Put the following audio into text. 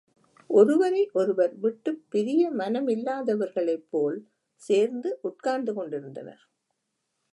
ஒருவரை ஒருவர் விட்டுப் பிரிய மனமில்லாதவர்களைப் போல் சேர்ந்து உட்கார்ந்து கொண்டிருந்தனர்.